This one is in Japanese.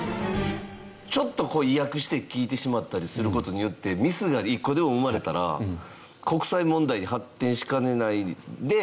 ちょっとこう意訳して聞いてしまったりする事によってミスが１個でも生まれたら国際問題に発展しかねないので。